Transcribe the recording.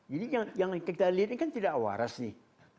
yang kita lihat ini kan tidak waras nih